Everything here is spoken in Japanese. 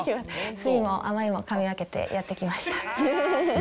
酸いも甘いもかみ分けてやってきました。